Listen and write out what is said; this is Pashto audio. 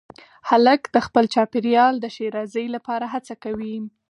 هلک د خپل چاپېریال د ښېرازۍ لپاره هڅه کوي.